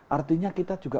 artinya kita juga